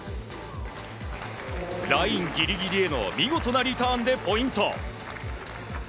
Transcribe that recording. ラインギリギリへの見事なリターンでポイント。